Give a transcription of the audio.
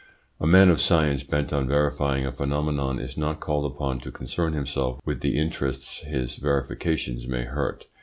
A man of science bent on verifying a phenomenon is not called upon to concern himself with the interests his verifications may hurt.